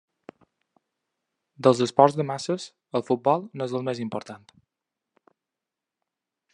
Dels esports de masses, el futbol n'és el més important.